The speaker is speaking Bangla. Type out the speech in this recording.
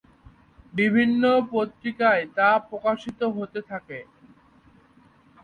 বিভিন্ন পত্রপত্রিকায় তা প্রকাশিত হতে থাকে।